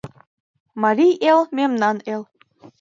Марий эл, мемнан эл.